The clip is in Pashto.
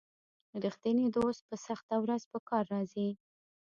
رښتینی دوست په سخته ورځ په کار راځي.